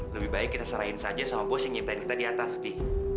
lebih baik kita serahin saja sama bos yang nyiptain kita di atas nih